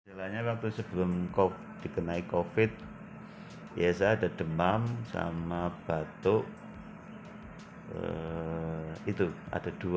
sebenarnya waktu sebelum dikenai covid biasa ada demam sama batuk itu ada dua